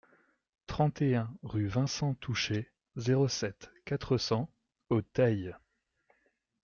trente et un rue Vincent Touchet, zéro sept, quatre cents au Teil